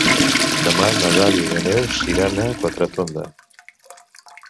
Demà na Dàlia i na Neus iran a Quatretonda.